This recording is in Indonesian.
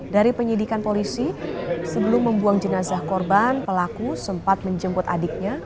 dari penyidikan polisi sebelum membuang jenazah korban pelaku sempat menjemput adiknya